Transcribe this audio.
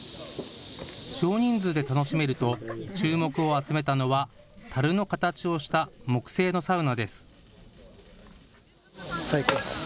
少人数で楽しめると注目を集めたのはたるの形をした木製のサウナです。